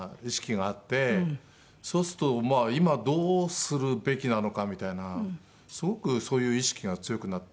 そうするとまあ今どうするべきなのかみたいなすごくそういう意識が強くなって。